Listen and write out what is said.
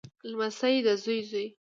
لمسی دزوی زوی